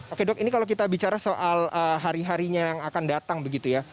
oke dok ini kalau kita bicara soal hari harinya yang akan datang begitu ya